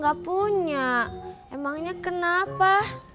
gak punya emangnya kenapa